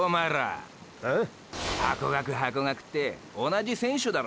ハコガクハコガクって同じ選手だろ。